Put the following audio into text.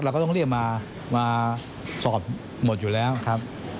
ก็ต้องเรียกมาสอบหมดอยู่แล้วครับ